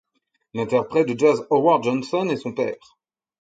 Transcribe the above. Ll'interprète de jazz Howard Johnson est son père.